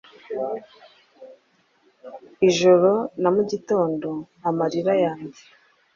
Ijoro na mugitondo amarira yanjye;